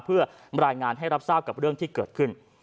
เพื่อรายงานให้รับทราบกับเรื่องที่เกิดขึ้น